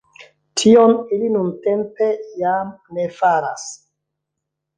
Tion ili nuntempe jam ne faras.